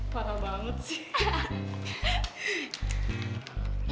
parah banget sih